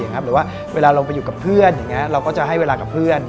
หรือว่าเวลาเราไปอยู่กับเพื่อนอย่างนี้เราก็จะให้เวลากับเพื่อน